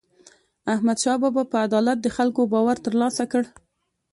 احمدشاه بابا په عدالت د خلکو باور ترلاسه کړ.